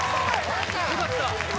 よかった